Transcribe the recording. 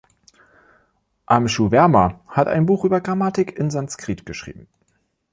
Amshuverma hat ein Buch über Grammatik in Sanskrit geschrieben.